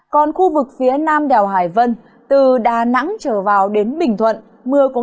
còn khu vực phía nam đèo hải vân từ đà nẵng trở vào đến bình thuận